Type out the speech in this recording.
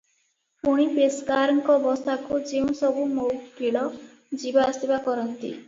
ପୁଣି ପେସ୍କାରଙ୍କ ବସାକୁ ଯେଉଁ ସବୁ ମଉକିଲ ଯିବା ଆସିବା କରନ୍ତି